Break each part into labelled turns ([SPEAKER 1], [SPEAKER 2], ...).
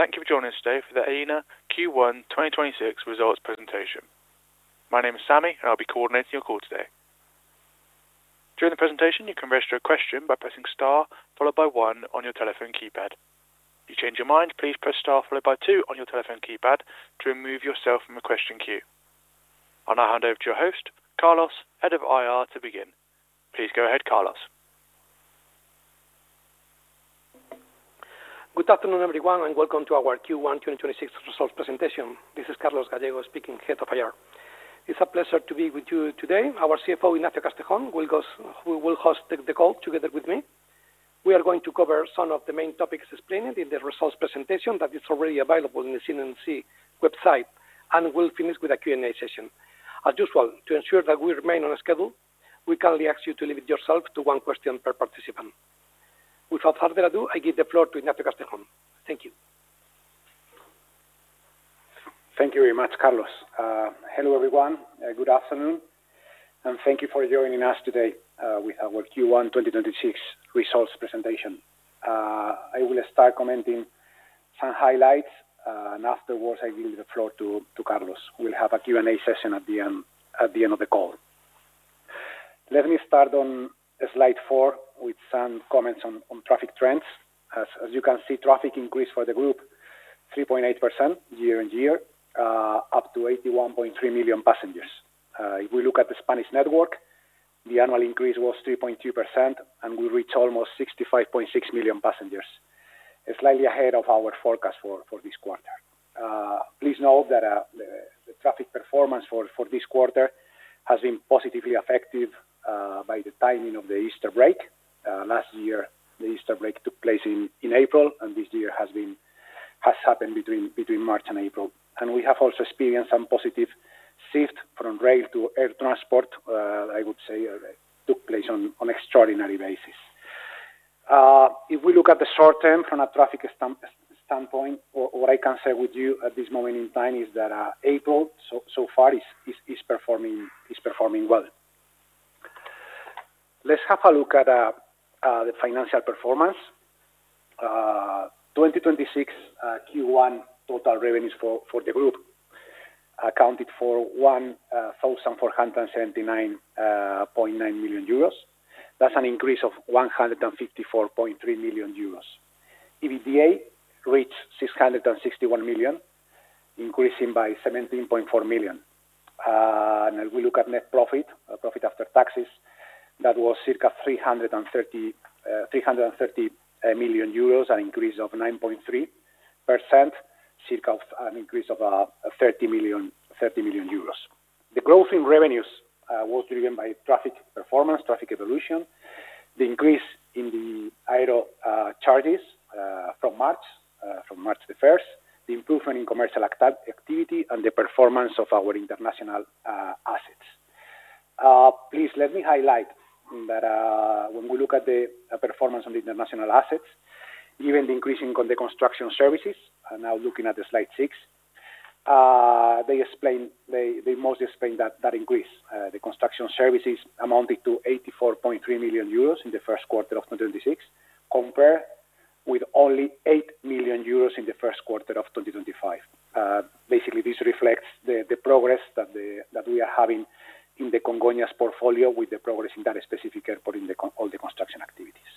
[SPEAKER 1] Hello, everyone, and thank you for joining us today for the Aena Q1 2026 results presentation. My name is Sammy, and I'll be coordinating your call today. During the presentation, you can register a question by pressing star followed by one on your telephone keypad. If you change your mind, please press star followed by two on your telephone keypad to remove yourself from the question queue. I'll now hand over to your host, Carlos, Head of Investor Relations, to begin. Please go ahead, Carlos.
[SPEAKER 2] Good afternoon, everyone, welcome to our Q1 2026 results presentation. This is Carlos Gallego speaking, Head of Investor Relations. It's a pleasure to be with you today. Our CFO, Ignacio Castejón, will host the call together with me. We are going to cover some of the main topics explained in the results presentation that is already available in the CNMC website. We'll finish with a Q&A session. As usual, to ensure that we remain on schedule, we kindly ask you to limit yourself to one question per participant. Without further ado, I give the floor to Ignacio Castejón. Thank you.
[SPEAKER 3] Thank you very much, Carlos. Hello, everyone. Good afternoon, and thank you for joining us today with our Q1 2026 results presentation. I will start commenting some highlights, and afterwards, I give the floor to Carlos. We will have a Q&A session at the end of the call. Let me start on slide four with some comments on traffic trends. As you can see, traffic increased for the group 3.8% year-on-year, up to 81.3 million passengers. If we look at the Spanish network, the annual increase was 3.2%, and we reached almost 65.6 million passengers. Slightly ahead of our forecast for this quarter. Please note that the traffic performance for this quarter has been positively affected by the timing of the Easter break. Last year the Easter break took place in April, and this year has happened between March and April. We have also experienced some positive shift from rail to air transport, I would say, took place on extraordinary basis. If we look at the short term from a traffic standpoint, what I can say with you at this moment in time is that April so far is performing well. Let's have a look at the financial performance. 2026 Q1 total revenues for the group accounted for 1,479.9 million euros. That's an increase of 154.3 million euros. EBITDA reached 661 million, increasing by 17.4 million. As we look at net profit after taxes, that was circa 330 million euros, an increase of 9.3%, circa an increase of 30 million. The growth in revenues was driven by traffic performance, traffic evolution, the increase in the aero charges from March, from March the first, the improvement in commercial activity, and the performance of our international assets. Please let me highlight that when we look at the performance on the international assets, given the increase in the construction services, now looking at the slide six, they mostly explain that increase. The construction services amounted to 84.3 million euros in the first quarter of 2026, compared with only 8 million euros in the first quarter of 2025. Basically, this reflects the progress that we are having in the Congonhas portfolio with the progress in that specific airport in all the construction activities.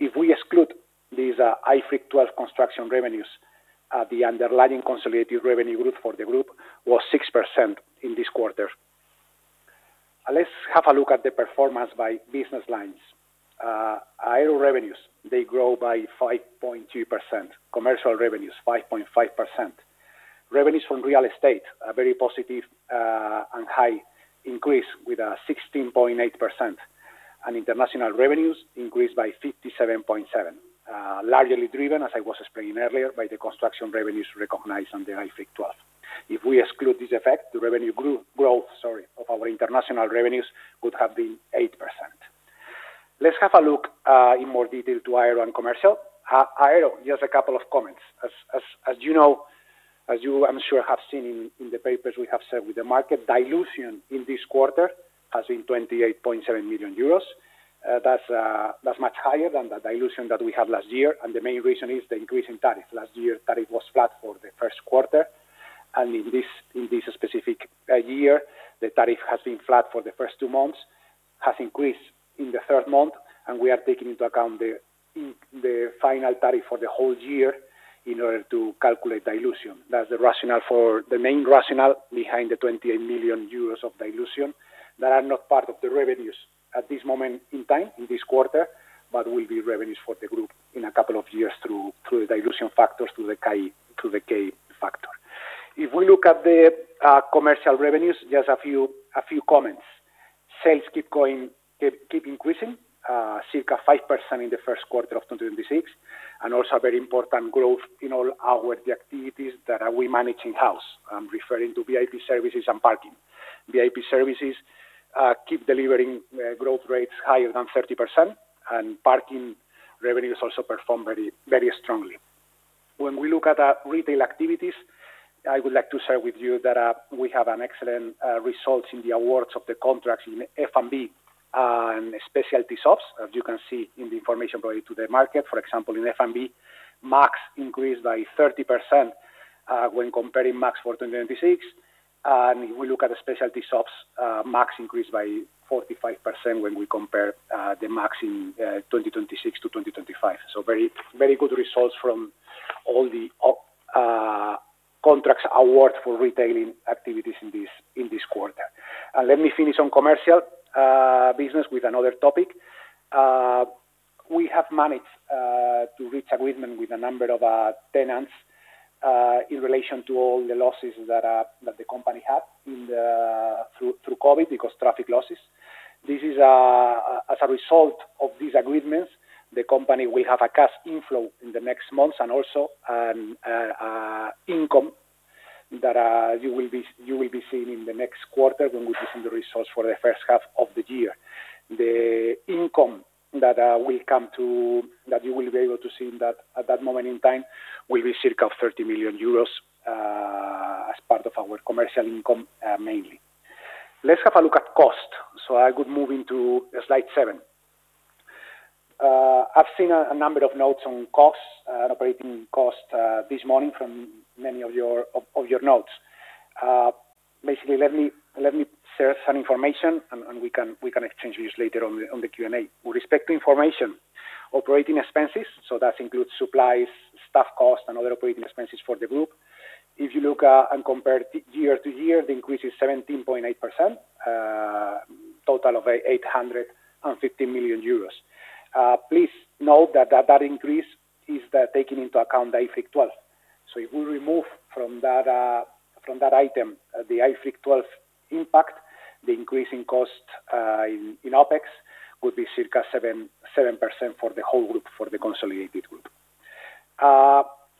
[SPEAKER 3] If we exclude these IFRIC 12 construction revenues, the underlying consolidated revenue growth for the group was 6% in this quarter. Let's have a look at the performance by business lines. Aero revenues, they grow by 5.2%. Commercial revenues, 5.5%. Revenues from real estate are very positive, and high increase with 16.8%. International revenues increased by 57.7%, largely driven, as I was explaining earlier, by the construction revenues recognized under IFRIC 12. If we exclude this effect, the revenue growth, sorry, of our international revenues would have been 8%. Let's have a look in more detail to aero and commercial. Aero, just a couple of comments. As you know, as you I'm sure have seen in the papers we have said with the market dilution in this quarter has been 28.7 million euros. That's, that's much higher than the dilution that we had last year, and the main reason is the increase in tariff. Last year, tariff was flat for the first quarter. In this specific year, the tariff has been flat for the first two months, has increased in the third month, and we are taking into account the final tariff for the whole year in order to calculate dilution. That's the main rationale behind the 28 million euros of dilution that are not part of the revenues at this moment in time, in this quarter, but will be revenues for the group in a couple of years through the dilution factors to the K factor. If we look at the commercial revenues, just a few comments. Sales keep increasing, circa 5% in the first quarter of 2026, and also very important growth in all our activities that we manage in-house. I'm referring to VIP services and parking. VIP services keep delivering growth rates higher than 30%, and parking revenues also perform very, very strongly. When we look at our retail activities. I would like to share with you that we have an excellent results in the awards of the contracts in F&B and specialty shops, as you can see in the information provided to the market. For example, in F&B, MAG increased by 30% when comparing MAG for 2026. If we look at the specialty shops, MAG increased by 45% when we compare the MAG in 2026 to 2025. Very, very good results from all the contracts award for retailing activities in this quarter. Let me finish on commercial business with another topic. We have managed to reach agreement with a number of tenants in relation to all the losses that the company had through COVID because traffic losses. This is as a result of these agreements, the company will have a cash inflow in the next months and also income that you will be seeing in the next quarter when we present the results for the first half of the year. The income that you will be able to see in that, at that moment in time, will be circa 30 million euros as part of our commercial income mainly. Let's have a look at cost. I could move into slide seven. I've seen a number of notes on costs, operating costs this morning from many of your notes. Basically, let me share some information and we can exchange views later on the Q&A. With respect to information, operating expenses, so that includes supplies, staff costs, and other operating expenses for the group. If you look and compare year to year, the increase is 17.8%, total of 850 million euros. Please note that that increase is taking into account the IFRIC 12. If we remove from that, from that item, the IFRIC 12 impact, the increase in cost, in OpEx would be circa 7% for the whole group, for the consolidated group.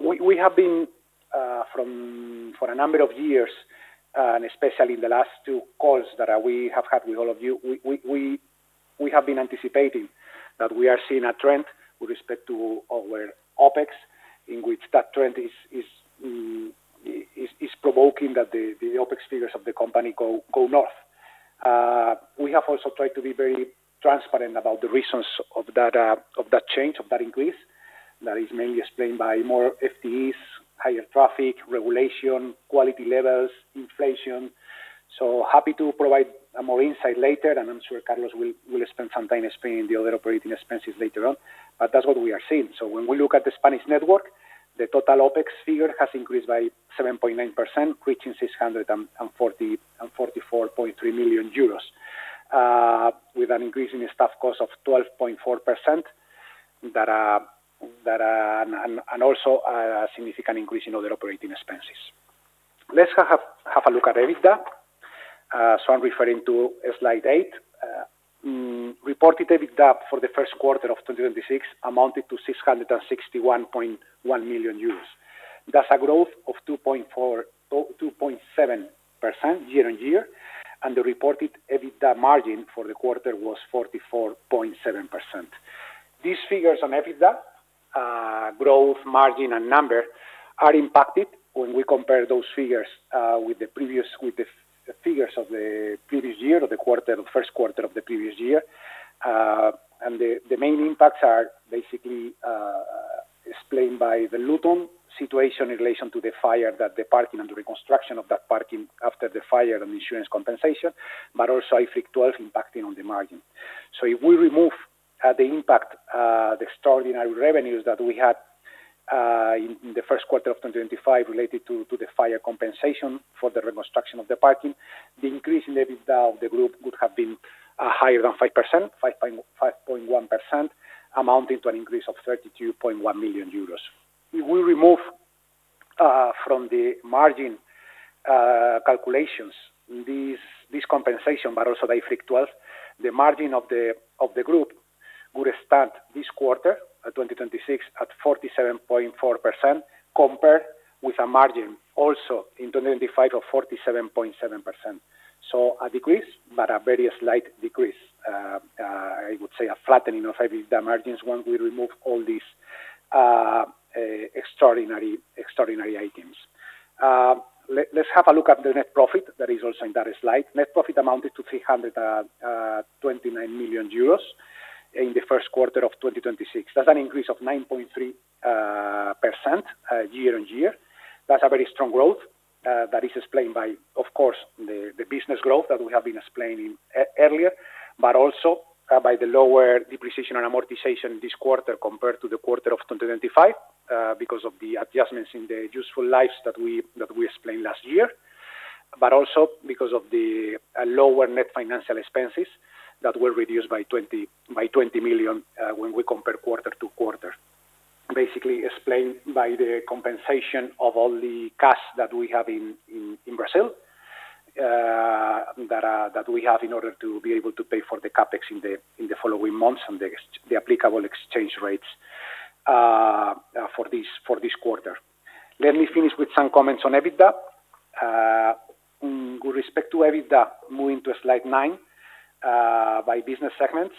[SPEAKER 3] We have been for a number of years, and especially in the last two calls that we have had with all of you, we have been anticipating that we are seeing a trend with respect to our OpEx, in which that trend is provoking that the OpEx figures of the company go north. We have also tried to be very transparent about the reasons of that, of that change, of that increase. That is mainly explained by more FTEs, higher traffic, regulation, quality levels, inflation. Happy to provide more insight later, and I'm sure Carlos will spend some time explaining the other operating expenses later on. That's what we are seeing. When we look at the Spanish network, the total OpEx figure has increased by 7.9%, reaching 644.3 million euros, with an increase in the staff cost of 12.4% that and also significant increase in other operating expenses. Let's have a look at EBITDA. I'm referring to slide eight. Reported EBITDA for the first quarter of 2026 amounted to 661.1 million euros. That's a growth of 2.7% year-over-year, and the reported EBITDA margin for the quarter was 44.7%. These figures on EBITDA growth, margin, and number are impacted when we compare those figures with the figures of the previous year or the quarter, the first quarter of the previous year. The main impacts are basically explained by the Luton situation in relation to the fire that the parking and the reconstruction of that parking after the fire and the insurance compensation, but also IFRIC 12 impacting on the margin. If we remove the impact, the extraordinary revenues that we had in the first quarter of 2025 related to the fire compensation for the reconstruction of the parking, the increase in the EBITDA of the group would have been higher than 5%, 5.1%, amounting to an increase of 32.1 million euros. If we remove from the margin calculations, this compensation, but also the IFRIC 12, the margin of the group would stand this quarter, 2026, at 47.4% compared with a margin also in 2025 of 47.7%. A decrease, but a very slight decrease. I would say a flattening of EBITDA margins when we remove all these extraordinary items. Let's have a look at the net profit that is also in that slide. Net profit amounted to 329 million euros in the first quarter of 2026. That's an increase of 9.3% year-on-year. That's a very strong growth that is explained by, of course, the business growth that we have been explaining earlier, but also by the lower depreciation and amortization this quarter compared to the quarter of 2025, because of the adjustments in the useful lives that we explained last year, but also because of the lower net financial expenses that were reduced by 20 million when we compare quarter-to-quarter. Basically explained by the compensation of all the cash that we have in Brazil that we have in order to be able to pay for the CapEx in the following months and the applicable exchange rates for this quarter. Let me finish with some comments on EBITDA. To EBITDA, moving to slide nine by business segments.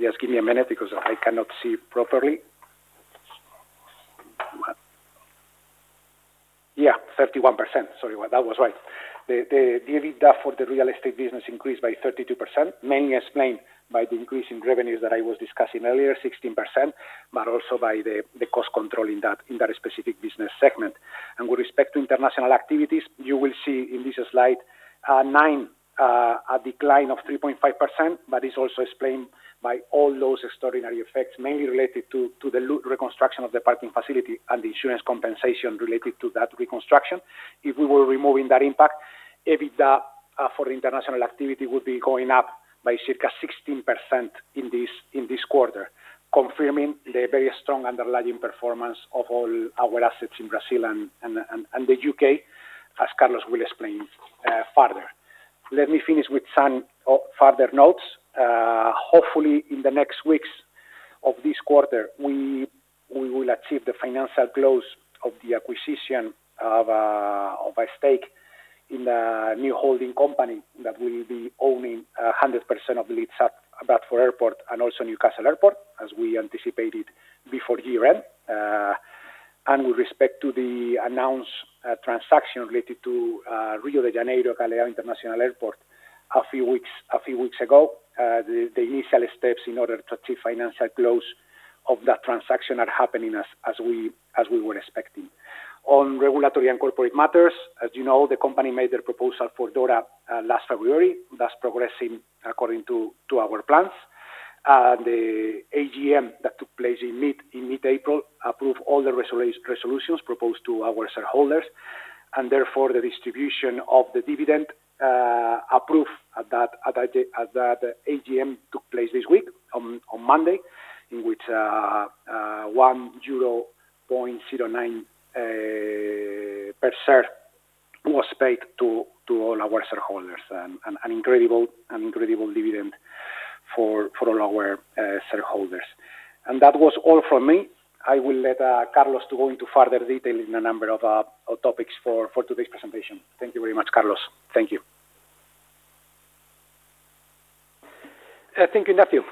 [SPEAKER 3] Yes, give me a minute because I cannot see properly. Yeah, 31%. That was right. The EBITDA for the real estate Services increased by 32%, mainly explained by the increase in revenues that I was discussing earlier, 16%, but also by the cost control in that specific business segment. With respect to international activities, you will see in this slide nine, a decline of 3.5%, but it is also explained by all those extraordinary effects mainly related to the reconstruction of the parking facility and the insurance compensation related to that reconstruction. If we were removing that impact, EBITDA for international activity would be going up by circa 16% in this quarter, confirming the very strong underlying performance of all our assets in Brazil and the U.K., as Carlos will explain further. Let me finish with some further notes. Hopefully, in the next weeks of this quarter, we will achieve the financial close of the acquisition of a stake in a new holding company that will be owning 100% of the Leeds Bradford Airport and also Newcastle Airport, as we anticipated before year-end. With respect to the announced transaction related to Rio de Janeiro Galeão International Airport a few weeks ago, the initial steps in order to achieve financial close of that transaction are happening as we were expecting. On regulatory and corporate matters, as you know, the company made their proposal for DORA last February. That's progressing according to our plans. The AGM that took place in mid-April approved all the resolutions proposed to our shareholders. Therefore, the distribution of the dividend approved at that AGM took place this week on Monday, in which 1.09 euro per share was paid to all our shareholders. An incredible dividend for all our shareholders. That was all for me. I will let Carlos go into further detail in a number of topics for today's presentation. Thank you very much, Carlos. Thank you.
[SPEAKER 2] Thank you, Ignacio.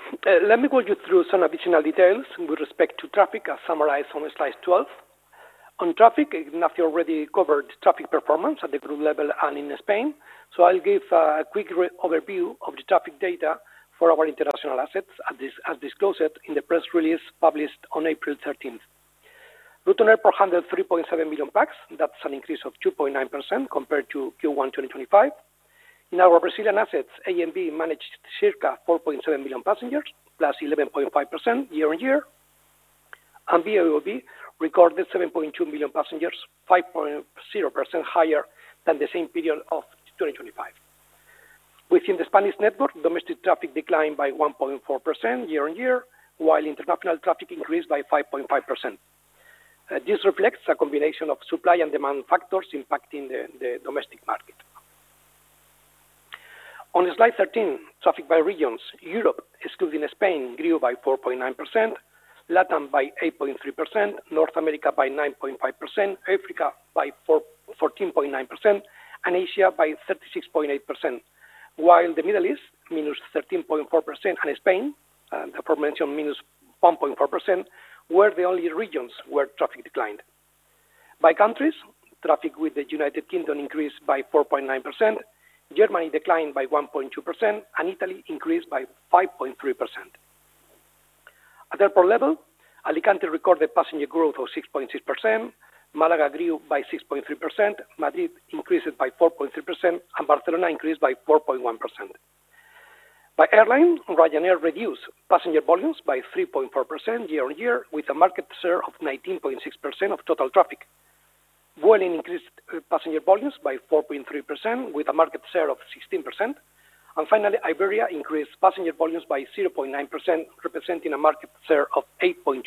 [SPEAKER 2] Let me walk you through some additional details with respect to traffic as summarized on slide 12. On traffic, Ignacio already covered traffic performance at the group level and in Spain, so I'll give a quick overview of the traffic data for our international assets as disclosed in the press release published on April 13th. Luton Airport handled 3.7 million pax. That's an increase of 2.9% compared to Q1 2025. In our Brazilian assets, ANB managed circa 4.7 million passengers, plus 11.5% year-on-year. BOAB recorded 7.2 million passengers, 5.0% higher than the same period of 2025. Within the Spanish network, domestic traffic declined by 1.4% year-on-year, while international traffic increased by 5.5%. This reflects a combination of supply and demand factors impacting the domestic market. On slide 13, traffic by regions. Europe, excluding Spain, grew by 4.9%, LATAM by 8.3%, North America by 9.5%, Africa by 14.9%, and Asia by 36.8%. The Middle East, -13.4%, and Spain, aforementioned, -1.4%, were the only regions where traffic declined. By countries, traffic with the United Kingdom increased by 4.9%, Germany declined by 1.2%, and Italy increased by 5.3%. At airport level, Alicante recorded passenger growth of 6.6%, Málaga grew by 6.3%, Madrid increased by 4.3%, and Barcelona increased by 4.1%. By airline, Ryanair reduced passenger volumes by 3.4% year-on-year, with a market share of 19.6% of total traffic. Vueling increased passenger volumes by 4.3%, with a market share of 16%. Finally, Iberia increased passenger volumes by 0.9%, representing a market share of 8.2%.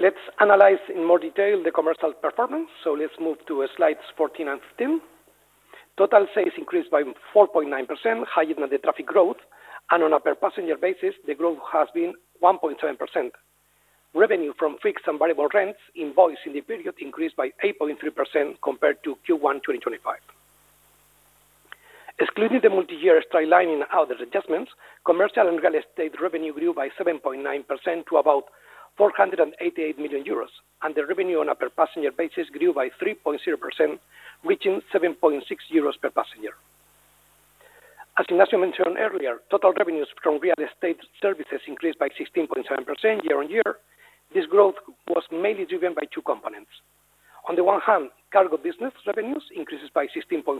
[SPEAKER 2] Let's analyze in more detail the commercial performance. Let's move to slides 14 and 15. Total sales increased by 4.9%, higher than the traffic growth. On a per passenger basis, the growth has been 1.7%. Revenue from fixed and variable rents invoiced in the period increased by 8.3% compared to Q1 2025. Excluding the multi-year straight-lining and other adjustments, commercial and real estate revenue grew by 7.9% to about 488 million euros. The revenue on a per passenger basis grew by 3.0%, reaching 7.6 euros per passenger. As Ignacio mentioned earlier, total revenues from real estate services increased by 16.7% year-over-year. This growth was mainly driven by two components. On the one hand, cargo business revenues increases by 16.4%,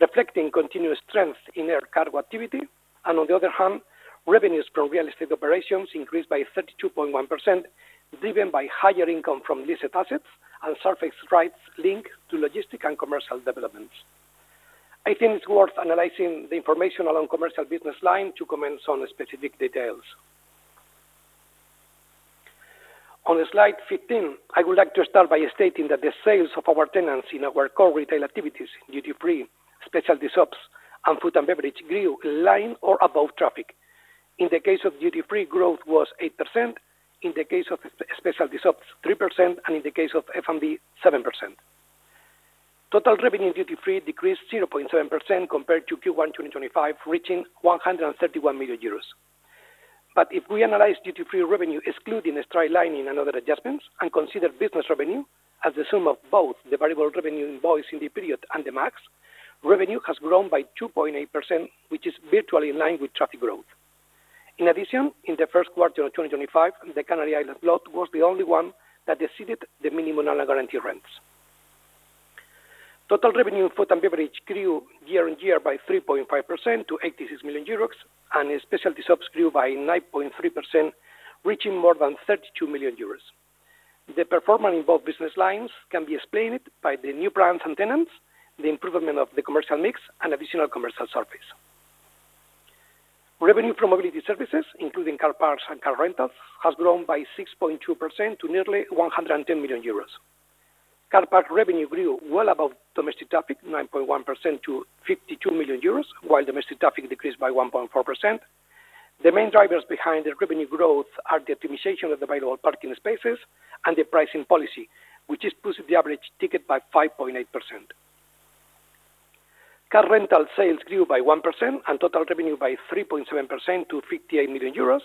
[SPEAKER 2] reflecting continuous strength in air cargo activity. On the other hand, revenues from real estate operations increased by 32.1%, driven by higher income from leased assets and surface rights linked to logistic and commercial developments. I think it's worth analyzing the information along commercial business line to comment on specific details. On slide 15, I would like to start by stating that the sales of our tenants in our core retail activities, duty free, specialty shops, and food and beverage grew in line or above traffic. In the case of duty free, growth was 8%. In the case of specialty shops, 3%. In the case of F&B, 7%. Total revenue in duty free decreased 0.7% compared to Q1 2025, reaching 131 million euros. If we analyze duty free revenue, excluding the straight lining and other adjustments, and consider business revenue as the sum of both the variable revenue invoice in the period and the MAG, revenue has grown by 2.8%, which is virtually in line with traffic growth. In addition, in the first quarter of 2025, the Canary Islands lot was the only one that exceeded the minimum on our guaranteed rents. Total revenue food and beverage grew year-over-year by 3.5% to 86 million euros, and the specialty shops grew by 9.3%, reaching more than 32 million euros. The performance in both business lines can be explained by the new brands and tenants, the improvement of the commercial mix, and additional commercial surface. Revenue from mobility services, including car parks and car rentals, has grown by 6.2% to nearly 110 million euros. Car park revenue grew well above domestic traffic, 9.1% to 52 million euros, while domestic traffic decreased by 1.4%. The main drivers behind the revenue growth are the optimization of available parking spaces and the pricing policy, which has boosted the average ticket by 5.8%. Car rental sales grew by 1% and total revenue by 3.7% to 58 million euros.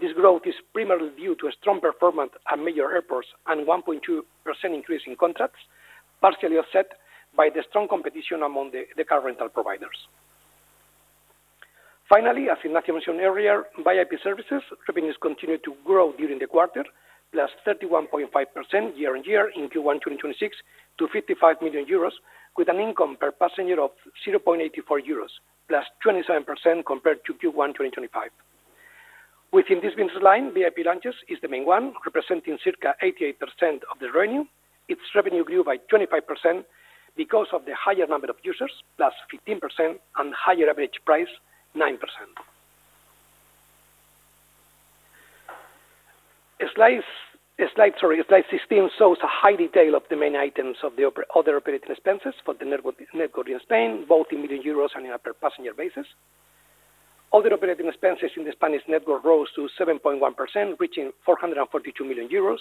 [SPEAKER 2] This growth is primarily due to a strong performance at major airports and 1.2% increase in contracts, partially offset by the strong competition among the car rental providers. Finally, as Ignacio mentioned earlier, VIP services revenues continued to grow during the quarter, +31.5% year-on-year in Q1 2026 to 55 million euros, with an income per passenger of 0.84 euros, +27% compared to Q1 2025. Within this business line, VIP lounges is the main one, representing circa 88% of the revenue. Its revenue grew by 25% because of the higher number of users, +15%, and higher average price, 9%. Slide, sorry, slide 16 shows a high detail of the main items of the other operating expenses for the network in Spain, both in million euros and in a per passenger basis. Other operating expenses in the Spanish network rose to 7.1%, reaching 442 million euros.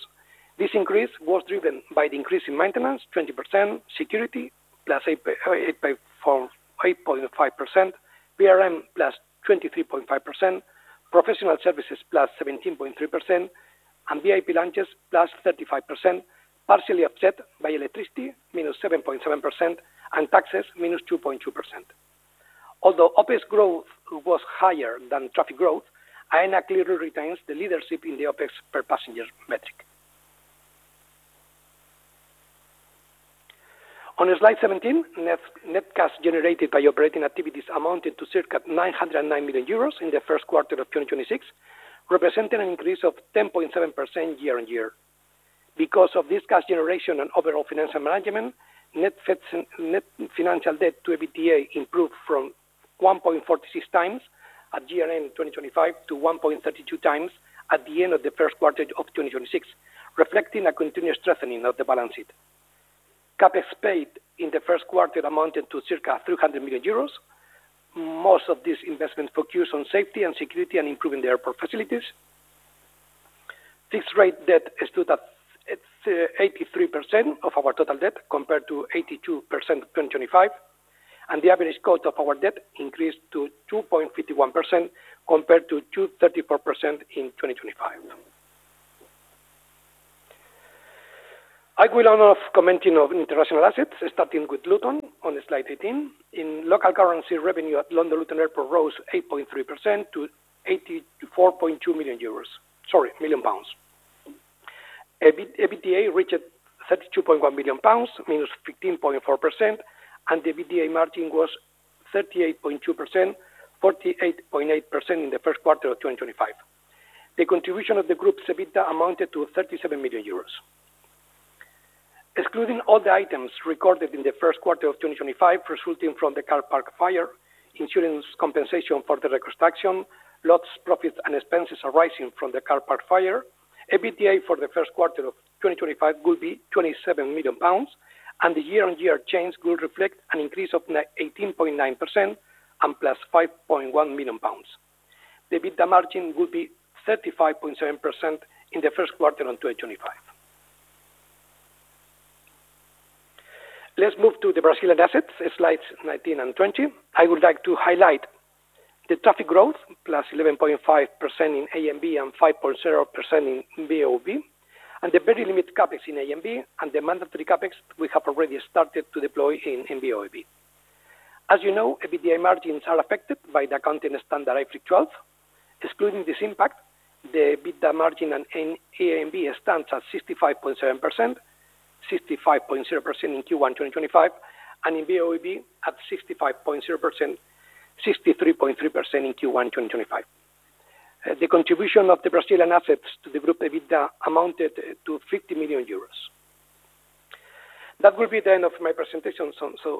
[SPEAKER 2] This increase was driven by the increase in maintenance, 20%, security, +8.5%, PRM +23.5%, professional services +17.3%, and VIP lounges +35%, partially offset by electricity, -7.7%, and taxes, -2.2%. Although OpEx growth was higher than traffic growth, Aena clearly retains the leadership in the OpEx per passenger metric. On slide 17, net cash generated by operating activities amounted to circa 909 million euros in the first quarter of 2026, representing an increase of 10.7% year-on-year. Of this cash generation and overall financial management, net financial debt to EBITDA improved from 1.46x at year-end in 2025 to 1.32x at the end of the first quarter of 2026, reflecting a continuous strengthening of the balance sheet. CapEx paid in the first quarter amounted to circa 300 million euros. Most of these investments focused on safety and security and improving the airport facilities. Fixed-rate debt stood at 83% of our total debt, compared to 82% in 2025, and the average cost of our debt increased to 2.51% compared to 2.34% in 2025. I will now commenting on international assets, starting with Luton on slide 18. In local currency, revenue at London Luton Airport rose 8.3% to GBP 84.2 million. EBITDA reached 32.1 million pounds, -15.4%, and the EBITDA margin was 38.2%, 48.8% in the first quarter of 2025. The contribution of the group's EBITDA amounted to 37 million euros. Excluding all the items recorded in the first quarter of 2025 resulting from the car park fire, insurance compensation for the reconstruction, loss of profits and expenses arising from the car park fire, EBITDA for the first quarter of 2025 will be 27 million pounds, and the year-on-year change will reflect an increase of 18.9% and +5.1 million pounds. The EBITDA margin will be 35.7% in the first quarter of 2025. Let's move to the Brazilian assets, slides 19 and 20. I would like to highlight the traffic growth, +11.5% in ANB and 5.0% in BOAB, and the very limited CapEx in ANB and the mandatory CapEx we have already started to deploy in BOAB. As you know, EBITDA margins are affected by the accounting standard IFRIC 12. Excluding this impact, the EBITDA margin in ANB stands at 65.7%, 65.0% in Q1 2025, and in BOAB at 65.0%, 63.3% in Q1 2025. The contribution of the Brazilian assets to the group EBITDA amounted to 50 million euros That will be the end of my presentation.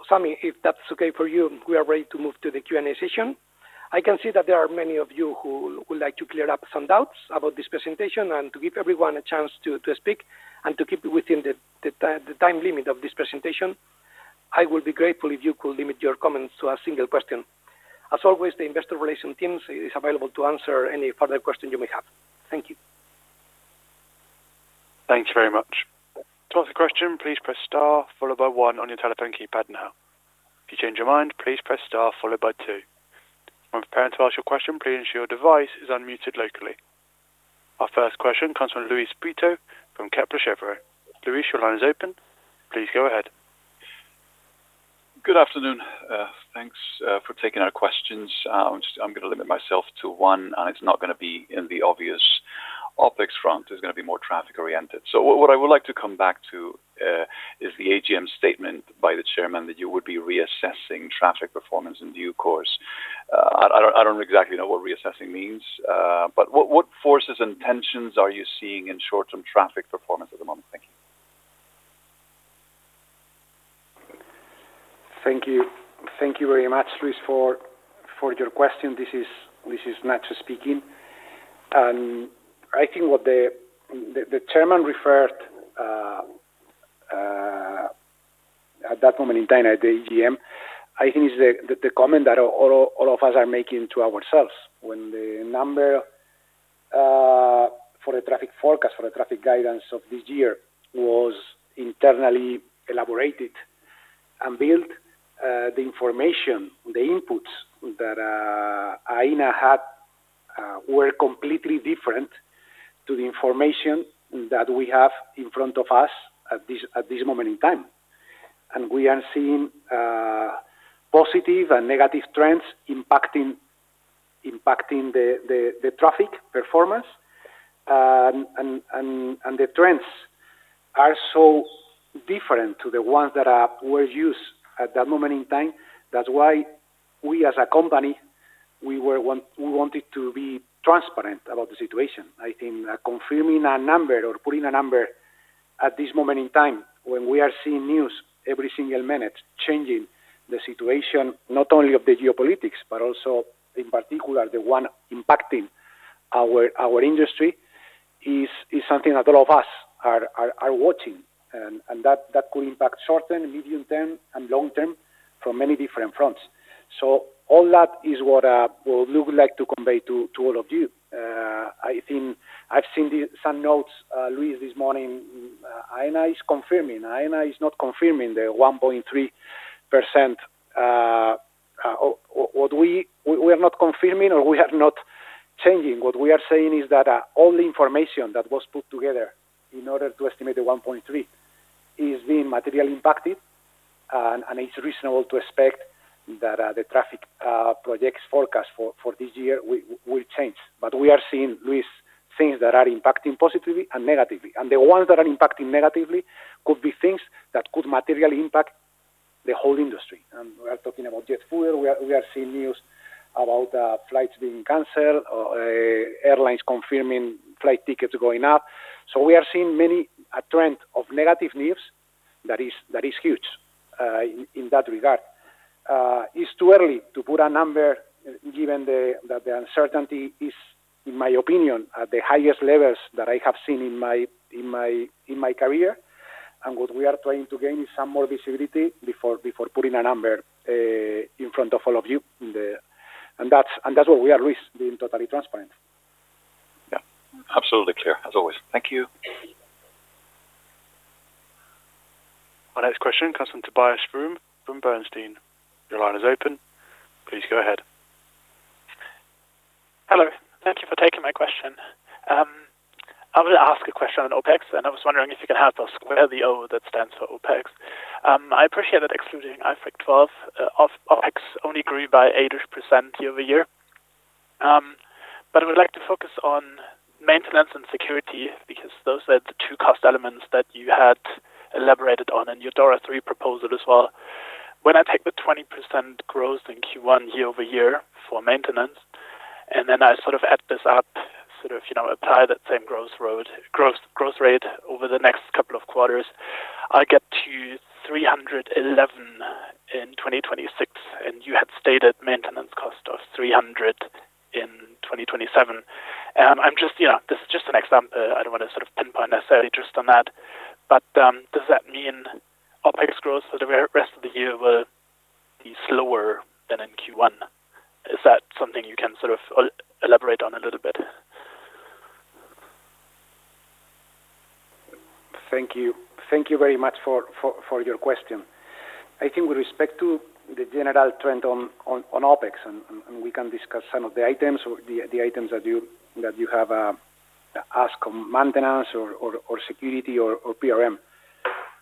[SPEAKER 2] Sammy, if that's okay for you, we are ready to move to the Q&A session. I can see that there are many of you who would like to clear up some doubts about this presentation and to give everyone a chance to speak and to keep within the time limit of this presentation. I will be grateful if you could limit your comments to a single question. As always, the Investor Relations teams is available to answer any further questions you may have. Thank you.
[SPEAKER 1] Thanks very much. Our first question comes from Luis Prieto from Kepler Cheuvreux. Luis, your line is open. Please go ahead.
[SPEAKER 4] Good afternoon. Thanks for taking our questions. I'm gonna limit myself to one, and it's not gonna be in the obvious OpEx front. It's gonna be more traffic oriented. What I would like to come back to is the AGM statement by the chairman that you would be reassessing traffic performance in due course. I don't exactly know what reassessing means, but what forces and tensions are you seeing in short-term traffic performance at the moment? Thank you.
[SPEAKER 3] Thank you. Thank you very much, Luis, for your question. This is Nacho speaking. I think what the chairman referred at that moment in time at the AGM, I think it's the comment that all of us are making to ourselves. When the number for the traffic forecast, for the traffic guidance of this year was internally elaborated and built, the information, the inputs that Aena had were completely different to the information that we have in front of us at this moment in time. We are seeing positive and negative trends impacting the traffic performance. The trends are so different to the ones that were used at that moment in time. That's why we as a company, we wanted to be transparent about the situation. I think confirming a number or putting a number at this moment in time when we are seeing news every single minute changing the situation, not only of the geopolitics, but also in particular, the one impacting our industry is something that all of us are watching. That could impact short-term, medium-term, and long-term from many different fronts. All that is what we would like to convey to all of you. I think I've seen some notes, Luis, this morning, Aena is confirming. Aena is not confirming the 1.3%. What we are not confirming or we are not changing. What we are saying is that all the information that was put together in order to estimate the 1.3 is being materially impacted, and it's reasonable to expect that the traffic projects forecast for this year will change. We are seeing, Luis, things that are impacting positively and negatively. The ones that are impacting negatively could be things that could materially impact the whole industry. We are talking about jet fuel. We are seeing news about flights being canceled or airlines confirming flight tickets going up. We are seeing a trend of negative news that is huge in that regard. It's too early to put a number given that the uncertainty is, in my opinion, at the highest levels that I have seen in my career. What we are trying to gain is some more visibility before putting a number in front of all of you. That's what we are, Luis, being totally transparent.
[SPEAKER 4] Yeah. Absolutely clear as always. Thank you.
[SPEAKER 1] Our next question comes from Tobias Fromme from Bernstein. Your line is open. Please go ahead.
[SPEAKER 5] Hello. Thank you for taking my question. I will ask a question on OpEx, and I was wondering if you can help us where the other stands for OpEx. I appreciate that excluding IFRIC 12, of OpEx only grew by 8% year-over-year. But I would like to focus on maintenance and security because those are the two cost elements that you had elaborated on in your DORA III proposal as well. When I take the 20% growth in Q1 year-over-year for maintenance, and then I sort of add this up, sort of, you know, apply that same growth rate over the next couple of quarters, I get to 311 in 2026, and you had stated maintenance cost of 300 in 2027. I'm just, you know, this is just an example. I don't want to sort of pinpoint necessarily just on that. Does that mean OpEx growth for the rest of the year will be slower than in Q1? Is that something you can sort of elaborate on a little bit?
[SPEAKER 3] Thank you. Thank you very much for your question. I think with respect to the general trend on OpEx, we can discuss some of the items or the items that you have asked on maintenance or security or PRM.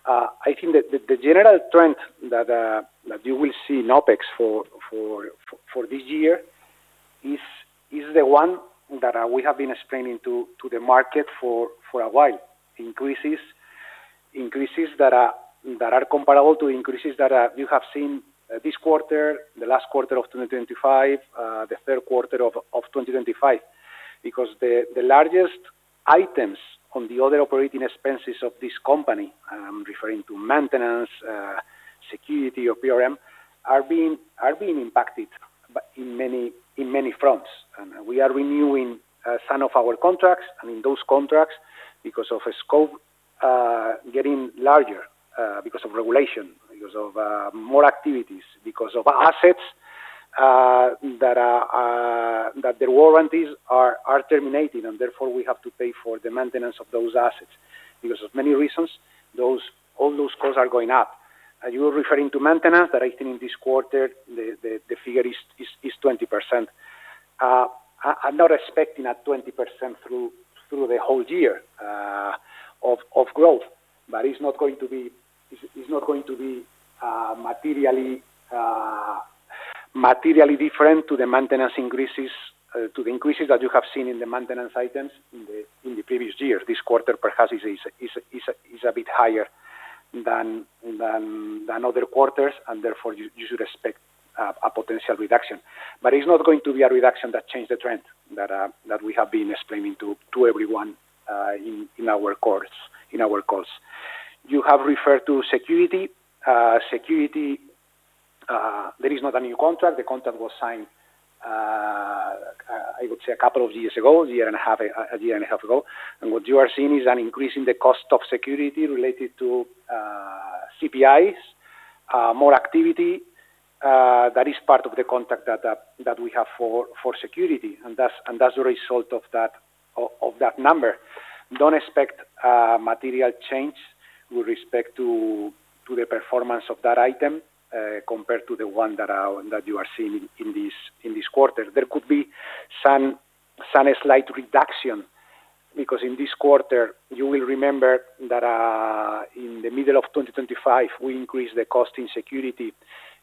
[SPEAKER 3] I think that the general trend that you will see in OpEx for this year is the one that we have been explaining to the market for a while. Increases that are comparable to increases that you have seen this quarter, the last quarter of 2025, the third quarter of 2025. Because the largest items on the other operating expenses of this company, I am referring to maintenance, security or PRM, are being impacted by in many fronts. We are renewing some of our contracts, and in those contracts, because of a scope getting larger, because of regulation, because of more activities, because of assets that are that their warranties are terminating, and therefore we have to pay for the maintenance of those assets. Because of many reasons, all those costs are going up. You were referring to maintenance that I think in this quarter, the figure is 20%. I'm not expecting a 20% through the whole year of growth, but it's not going to be materially different to the maintenance increases, to the increases that you have seen in the maintenance items in the previous year. This quarter perhaps is a bit higher than other quarters, and therefore you should expect a potential reduction. It's not going to be a reduction that change the trend that we have been explaining to everyone in our course. You have referred to security. Security, there is not a new contract. The contract was signed, I would say a couple of years ago, a year and a half ago. What you are seeing is an increase in the cost of security related to CPIs, more activity. That is part of the contract that we have for security, and that's a result of that number. Don't expect material change with respect to the performance of that item compared to the one that you are seeing in this quarter. There could be some slight reduction because in this quarter, you will remember that in the middle of 2025, we increased the cost in security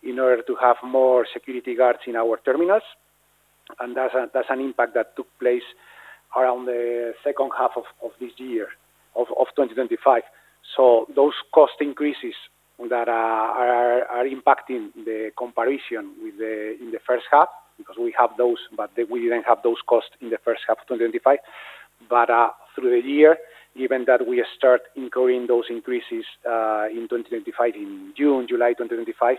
[SPEAKER 3] in order to have more security guards in our terminals. That's an impact that took place around the second half of this year, of 2025. Those cost increases that are impacting the comparison in the first half because we have those, but we didn't have those costs in the first half of 2025. Through the year, given that we start incurring those increases in 2025, in June, July 2025,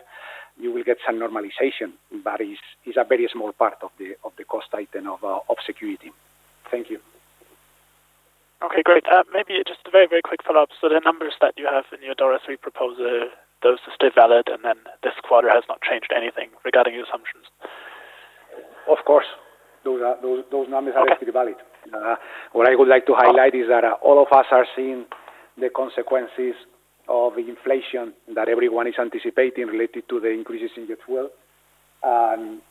[SPEAKER 3] you will get some normalization, but it's a very small part of the cost item of security. Thank you.
[SPEAKER 5] Okay, great. Maybe just a very, very quick follow-up. The numbers that you have in your DORA III proposal, those still valid, and then this quarter has not changed anything regarding your assumptions?
[SPEAKER 3] Of course, those numbers are still valid. What I would like to highlight is that all of us are seeing the consequences of inflation that everyone is anticipating related to the increases in IFRIC 12.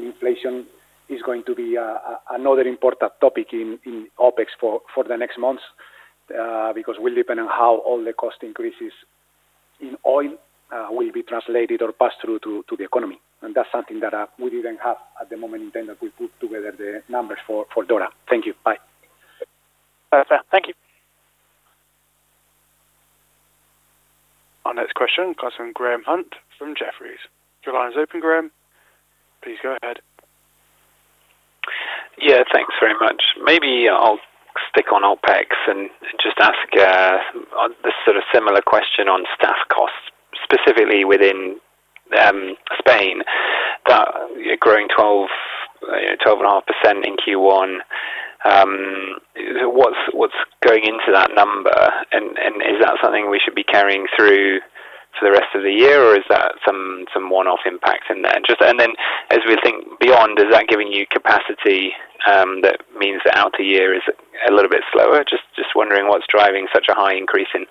[SPEAKER 3] Inflation is going to be another important topic in OpEx for the next months, because will depend on how all the cost increases in oil will be translated or passed through to the economy. That's something that we didn't have at the moment in time that we put together the numbers for DORA. Thank you. Bye.
[SPEAKER 5] Perfect. Thank you.
[SPEAKER 1] Our next question comes from Graham Hunt from Jefferies. Your line is open, Graham. Please go ahead.
[SPEAKER 6] Yeah, thanks very much. Maybe I'll stick on OpEx and just ask a sort of similar question on staff costs, specifically within Spain. That you're growing 12.5% in Q1. What's going into that number? Is that something we should be carrying through for the rest of the year, or is that some one-off impact in there? Then as we think beyond, is that giving you capacity that means the outer year is a little bit slower? Just wondering what's driving such a high increase in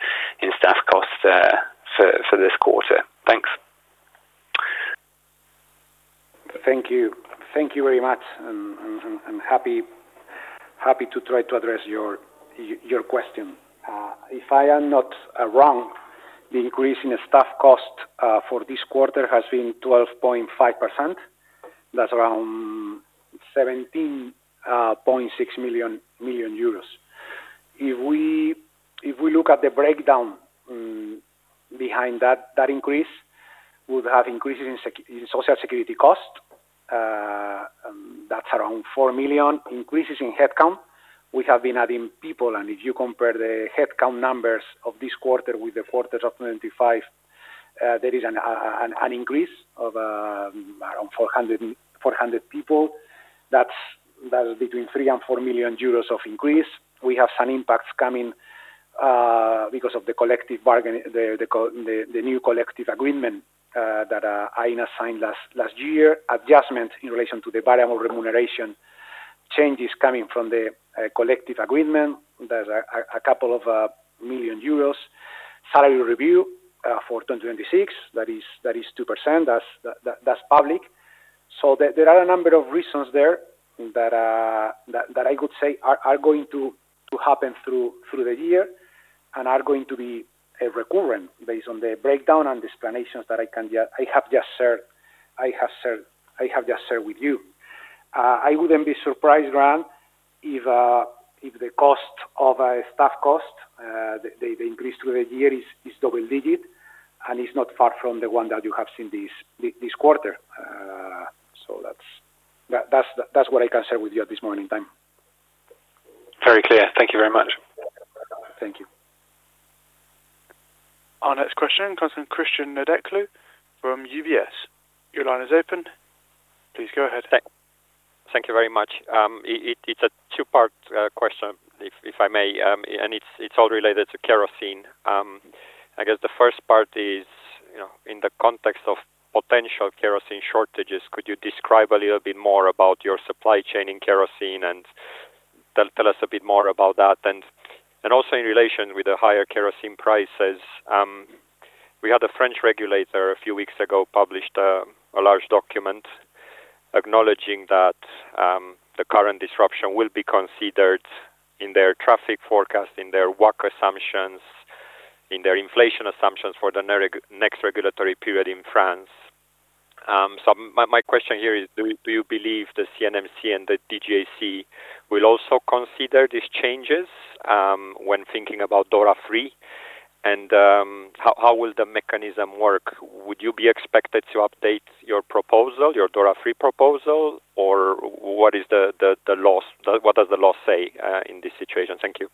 [SPEAKER 6] staff costs for this quarter. Thanks.
[SPEAKER 3] Thank you. Thank you very much. Happy to try to address your question. If I am not wrong, the increase in staff cost for this quarter has been 12.5%. That's around 17.6 million euros. If we look at the breakdown behind that increase, we have increases in social security costs. That's around 4 million increases in headcount. We have been adding people. If you compare the headcount numbers of this quarter with the quarter of 2025, there is an increase of around 400 people. That is between 3 million and 4 million euros of increase. We have some impacts coming because of the collective bargain, the new collective agreement that Aena signed last year. Adjustment in relation to the variable remuneration changes coming from the collective agreement. There's a couple of million euros. Salary review for 2026, that is 2%. That's public. There are a number of reasons there that I could say are going to happen through the year and are going to be recurrent based on the breakdown and explanations that I have just shared with you. I wouldn't be surprised, Graham, if the cost of staff cost, the increase through the year is double digits. It's not far from the one that you have seen this quarter. That's what I can share with you at this moment in time.
[SPEAKER 6] Very clear. Thank you very much.
[SPEAKER 3] Thank you.
[SPEAKER 1] Our next question comes from Cristian Nedelcu from UBS. Your line is open. Please go ahead.
[SPEAKER 7] Thank you very much. It's a two-part question, if I may, it's all related to kerosene. I guess the first part is, you know, in the context of potential kerosene shortages, could you describe a little bit more about your supply chain in kerosene and tell us a bit more about that? Also in relation with the higher kerosene prices, we had a French regulator a few weeks ago published a large document acknowledging that the current disruption will be considered in their traffic forecast, in their work assumptions, in their inflation assumptions for the next regulatory period in France. My question here is do you believe the CNMC and the DGAC will also consider these changes when thinking about DORA III? How will the mechanism work? Would you be expected to update your proposal, your DORA III proposal, or what does the law say in this situation? Thank you.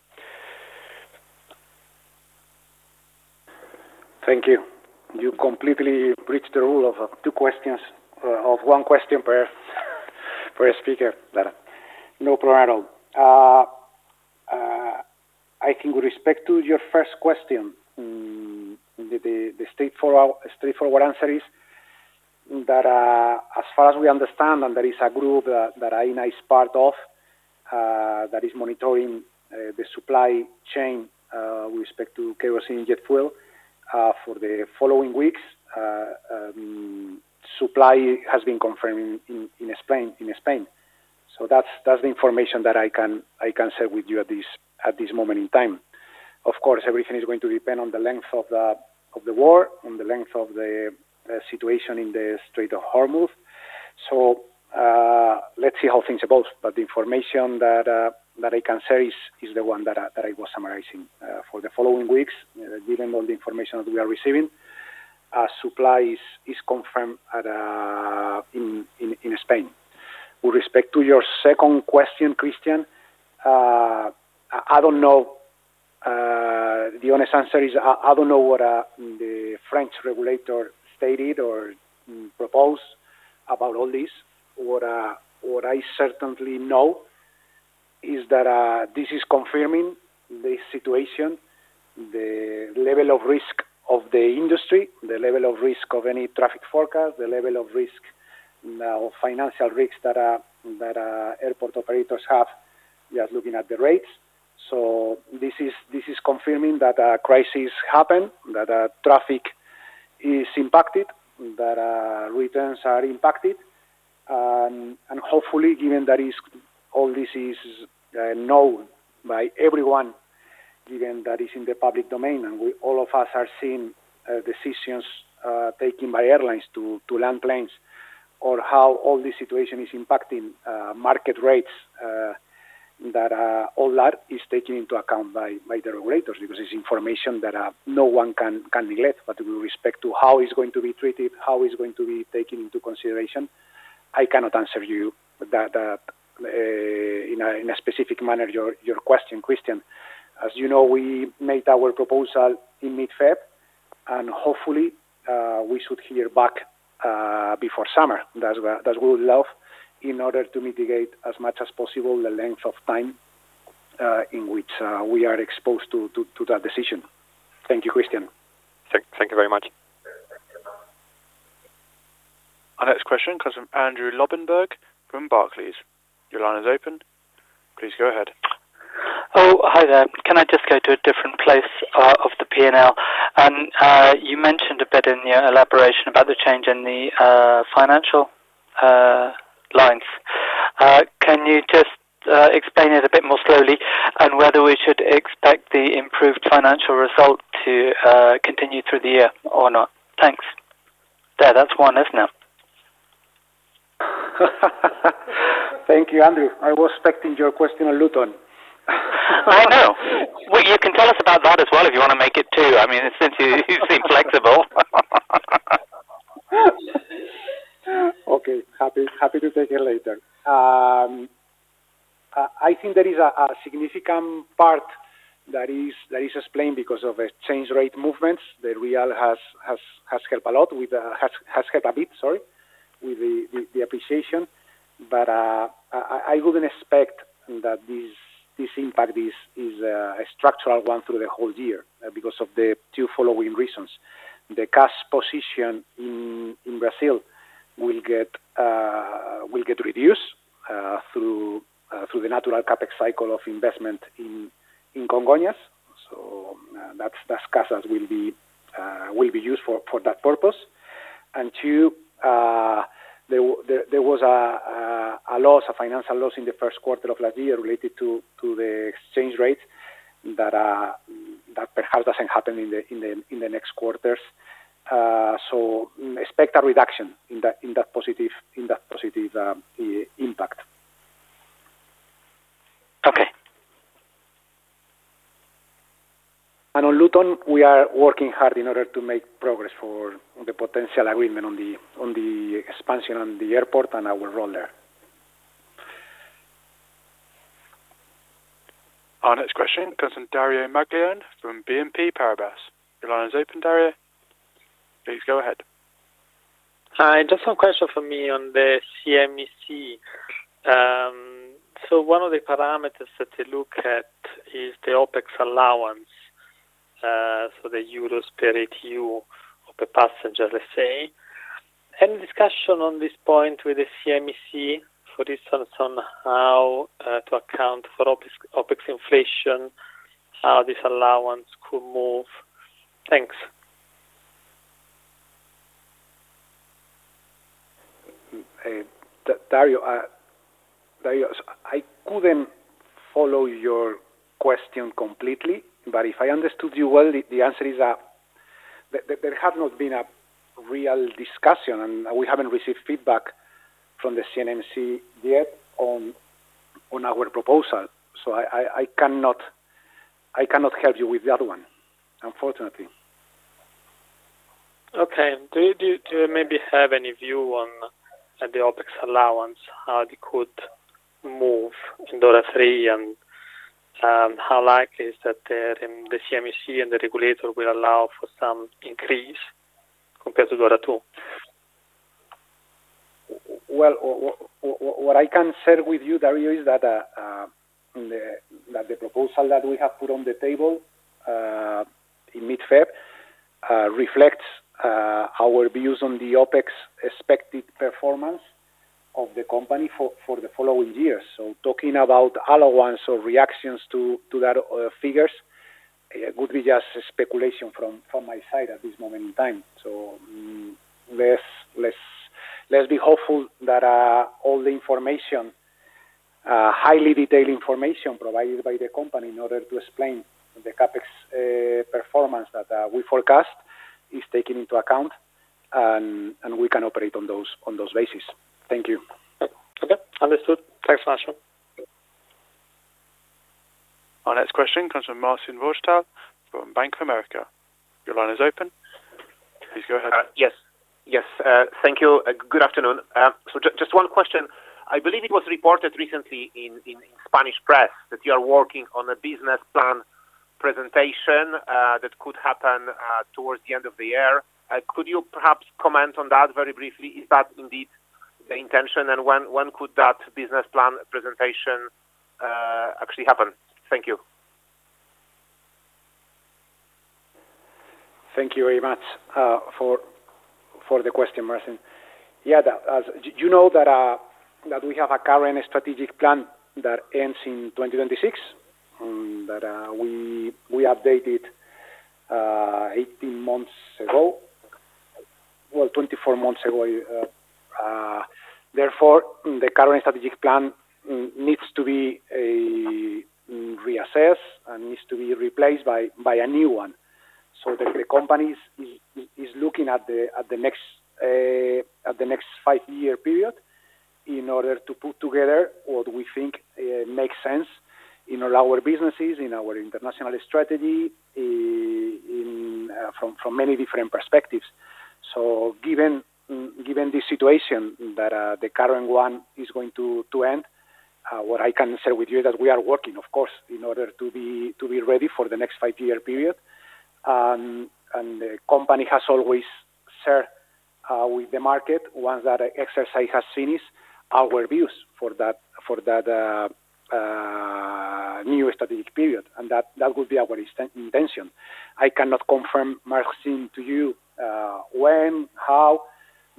[SPEAKER 3] Thank you. You completely breached the rule of two questions, of one question per speaker. No problem at all. I think with respect to your first question, the straightforward answer is that as far as we understand, and there is a group that Aena is part of, that is monitoring the supply chain with respect to kerosene jet fuel for the following weeks, supply has been confirmed in Spain. That's the information that I can share with you at this moment in time. Of course, everything is going to depend on the length of the war and the length of the situation in the Strait of Hormuz. Let's see how things evolve. The information that I can say is the one that I was summarizing. For the following weeks, given all the information that we are receiving, supply is confirmed in Spain. With respect to your second question, Cristian, I don't know. The honest answer is I don't know what the French regulator stated or proposed about all this. What I certainly know is that this is confirming the situation, the level of risk of the industry, the level of risk of any traffic forecast, the level of risk or financial risks that airport operators have just looking at the rates. This is confirming that a crisis happened, that traffic is impacted, that returns are impacted. Hopefully, given that is all this is known by everyone, given that it's in the public domain, and all of us are seeing decisions taken by airlines to land planes or how all this situation is impacting market rates, that all that is taken into account by the regulators because it's information that no one can neglect. With respect to how it's going to be treated, how it's going to be taken into consideration, I cannot answer you that in a specific manner, your question, Cristian. As you know, we made our proposal in mid-Feb, and hopefully, we should hear back before summer. That's what we would love in order to mitigate as much as possible the length of time in which we are exposed to that decision. Thank you, Cristian.
[SPEAKER 7] Thank you very much.
[SPEAKER 1] Our next question comes from Andrew Lobbenberg from Barclays. Your line is open. Please go ahead.
[SPEAKER 8] Oh, hi there. Can I just go to a different place of the P&L? You mentioned a bit in your elaboration about the change in the financial lines. Can you just explain it a bit more slowly and whether we should expect the improved financial result to continue through the year or not? Thanks. There, that's one, isn't it?
[SPEAKER 3] Thank you, Andrew. I was expecting your question on Luton.
[SPEAKER 8] I know. Well, you can tell us about that as well if you wanna make it two. I mean, since you seem flexible.
[SPEAKER 3] Okay. Happy, happy to take it later. I think there is a significant part that is explained because of exchange rate movements. The real has helped a lot has helped a bit, sorry, with the appreciation. I, I wouldn't expect that this impact is a structural one through the whole year because of the two following reasons. The cash position in Brazil will get reduced through the natural CapEx cycle of investment in Congonhas. That's cash that will be used for that purpose. Two, there was a financial loss in the first quarter of last year related to the exchange rate that perhaps doesn't happen in the next quarters. Expect a reduction in that positive impact. On Luton, we are working hard in order to make progress for the potential agreement on the expansion on the airport and our role there.
[SPEAKER 1] Our next question comes from Dario Maglione from BNP Paribas. Your line is open, Dario. Please go ahead.
[SPEAKER 9] Hi, just one question for me on the CNMC. One of the parameters that they look at is the OpEx allowance, the EUR per ATU of a passenger, let's say. Any discussion on this point with the CNMC, for instance, on how to account for OpEx inflation, how this allowance could move? Thanks.
[SPEAKER 3] Dario, I couldn't follow your question completely, but if I understood you well, the answer is that there have not been a real discussion, and we haven't received feedback from the CNMC yet on our proposal. I cannot help you with that one, unfortunately.
[SPEAKER 9] Okay. Do you maybe have any view on the OpEx allowance, how they could move in DORA III, and how likely is that the CNMC and the regulator will allow for some increase compared to DORA II?
[SPEAKER 3] Well, what I can share with you, Dario, is that the proposal that we have put on the table in mid-Feb reflects our views on the OpEx expected performance of the company for the following years. Talking about allowance or reactions to that figures would be just speculation from my side at this moment in time. Let's be hopeful that all the information, highly detailed information provided by the company in order to explain the CapEx performance that we forecast is taken into account and we can operate on those basis. Thank you.
[SPEAKER 9] Okay. Understood. Thanks much.
[SPEAKER 1] Our next question comes from Marcin Wojtal from Bank of America. Your line is open. Please go ahead.
[SPEAKER 10] Yes. Yes. Thank you. Good afternoon. Just one question. I believe it was reported recently in Spanish press that you are working on a business plan presentation that could happen towards the end of the year. Could you perhaps comment on that very briefly? Is that indeed the intention, and when could that business plan presentation actually happen? Thank you.
[SPEAKER 3] Thank you very much for the question, Marcin. Yeah, you know that we have a current strategic plan that ends in 2026 that we updated 18 months ago. Well, 24 months ago. Therefore, the current strategic plan needs to be reassessed and needs to be replaced by a new one. The company is looking at the next five-year period in order to put together what we think makes sense in all our businesses, in our international strategy, in from many different perspectives. Given the situation that the current one is going to end, what I can say with you that we are working, of course, in order to be ready for the next five-year period. The company has always shared with the market, once that exercise has finished, our views for that new strategic period, and that would be our intention. I cannot confirm, Marcin, to you when, how,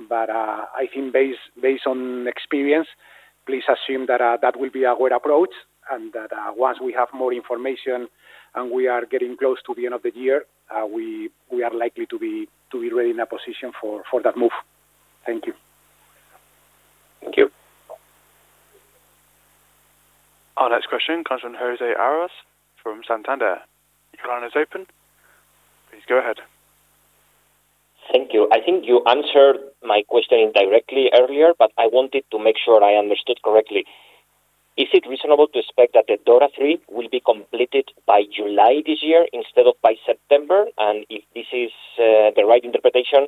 [SPEAKER 3] but I think based on experience, please assume that will be our approach, and that once we have more information and we are getting close to the end of the year, we are likely to be really in a position for that move. Thank you.
[SPEAKER 10] Thank you.
[SPEAKER 1] Our next question comes from José Arroyas from Santander. Your line is open. Please go ahead.
[SPEAKER 11] Thank you. I think you answered my question directly earlier, but I wanted to make sure I understood correctly. Is it reasonable to expect that the DORA III will be completed by July this year instead of by September? If this is the right interpretation,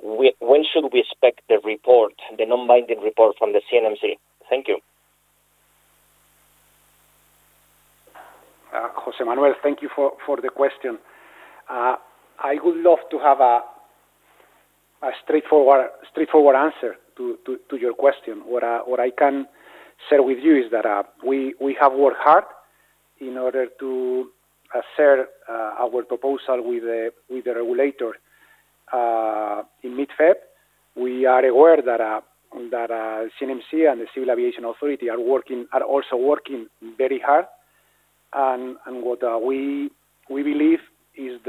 [SPEAKER 11] when should we expect the report, the non-binding report from the CNMC? Thank you.
[SPEAKER 3] José Manuel, thank you for the question. I would love to have a straightforward answer to your question. What I can share with you is that we have worked hard in order to assert our proposal with the regulator in mid-Feb. We are aware that CNMC and the Civil Aviation Authority are also working very hard. What we believe is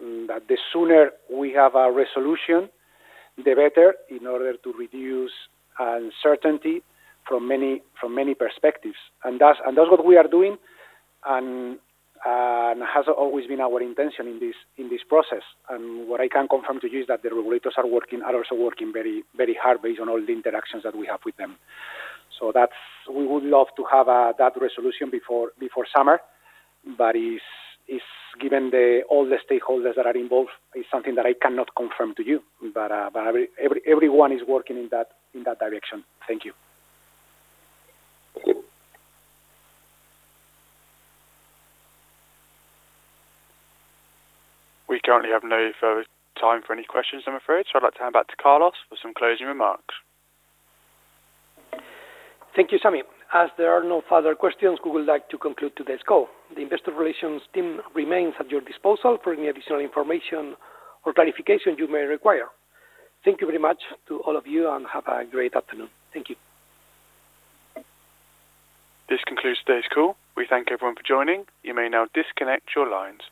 [SPEAKER 3] that the sooner we have a resolution, the better in order to reduce uncertainty from many perspectives. That's what we are doing and has always been our intention in this process. What I can confirm to you is that the regulators are also working very hard based on all the interactions that we have with them. We would love to have that resolution before summer, but is given all the stakeholders that are involved, it's something that I cannot confirm to you. Everyone is working in that direction. Thank you.
[SPEAKER 11] Thank you.
[SPEAKER 1] We currently have no further time for any questions, I'm afraid, so I'd like to hand back to Carlos for some closing remarks.
[SPEAKER 2] Thank you, Sammy. As there are no further questions, we would like to conclude today's call. The investor relations team remains at your disposal for any additional information or clarification you may require. Thank you very much to all of you, and have a great afternoon. Thank you.
[SPEAKER 1] This concludes today's call. We thank everyone for joining. You may now disconnect your lines.